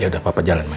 ya udah papa jalan ya